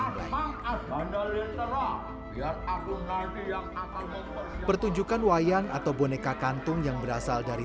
anda biar aku nanti yang akan mempertunjukan wayang atau boneka kantung yang berasal dari